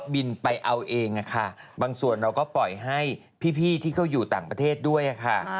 บินไปเอาเองค่ะบางส่วนเราก็ปล่อยให้พี่ที่เขาอยู่ต่างประเทศด้วยค่ะ